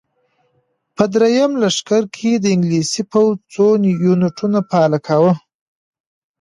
په درېیم لښکر کې د انګلیسي پوځ څو یونیټونو فعالیت کاوه.